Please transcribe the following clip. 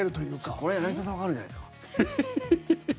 これ、柳澤さんわかるんじゃないですか？